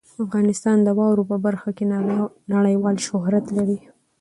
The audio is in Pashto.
افغانستان د واورو په برخه کې نړیوال شهرت لري.